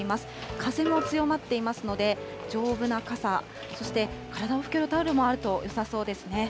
風も強まっていますので、丈夫な傘、そして体を拭けるタオルもあるとよさそうですね。